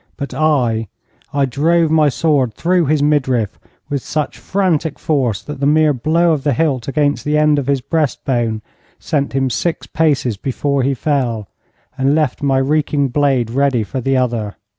But I I drove my sword through his midriff with such frantic force, that the mere blow of the hilt against the end of his breast bone sent him six paces before he fell, and left my reeking blade ready for the other.